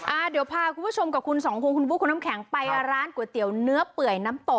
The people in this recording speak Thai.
อ่าเดี๋ยวพาคุณผู้ชมกับคุณสองคนคุณบุ๊คคุณน้ำแข็งไปร้านก๋วยเตี๋ยวเนื้อเปื่อยน้ำตก